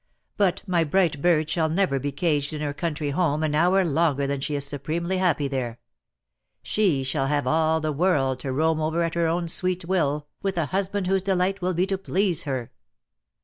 But my bright bird shall never be caged in her country home an hour longer than she DEAD LOVE HAS CHAINS. 225 is supremely happy there. She shall have all the world to roam over at her own sweet will, with a husband whose delight will be to please her.